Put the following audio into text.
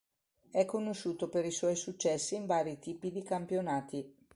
È conosciuto per i suoi successi in vari tipi di campionati.